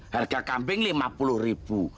harga kambing rp lima puluh ribu